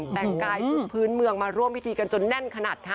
แต่งกายชุดพื้นเมืองมาร่วมพิธีกันจนแน่นขนาดค่ะ